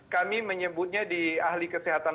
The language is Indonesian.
kami menyebutnya di ahli kesehatan